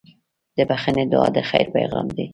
د بښنې دعا د خیر پیغام دی.